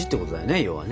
要はね。